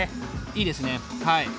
いいですねはい。